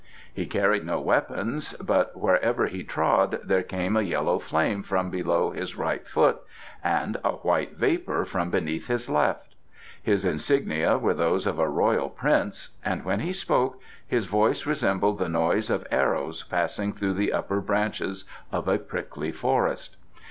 He carried no weapons, but wherever he trod there came a yellow flame from below his right foot and a white vapour from beneath his left. His insignia were those of a royal prince, and when he spoke his voice resembled the noise of arrows passing through the upper branches of a prickly forest.